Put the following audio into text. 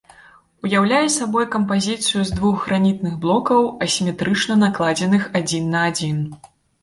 Уяўляе сабой кампазіцыю з двух гранітных блокаў, асіметрычна накладзеных адзін на адзін.